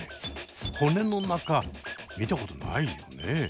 骨の中見たことないよね。